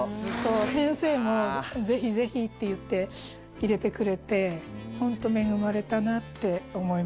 先生もぜひぜひって言って入れてくれてホント恵まれたなって思います。